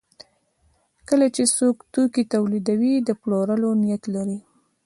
کله چې څوک توکي تولیدوي د پلورلو نیت لري.